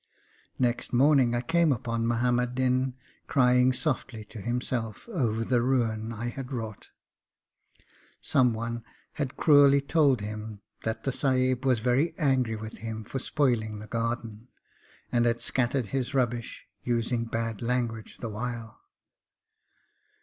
Next morning, I came upon Muhammad Din crying softly to himself over the ruin I had wrought. Some one had cruelly told him that the Sahib was very angry with him for spoiling the garden, and had scattered his rubbish, using bad language the while.